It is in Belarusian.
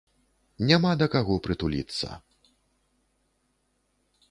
Няма да каго прытуліцца.